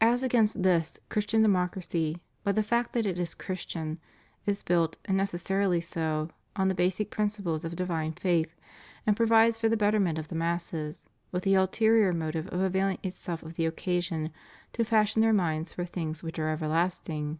As against this. Christian Democracy, by the fact that it is Christian, is built, and necessarily so, on the basic principles of divine faith, and provides for the betterment of the masses, with the ulterior object of availing itself of the occasion to fashion their minds for things which are everlasting.